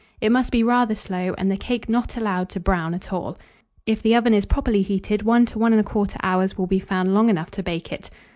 It must be rather slow, and the cake not allowed to brown at all. If the oven is properly heated, 1 to 1 1/4 hour will be found long enough to bake it.